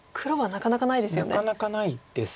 なかなかないです。